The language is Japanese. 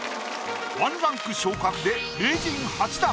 １ランク昇格で名人８段。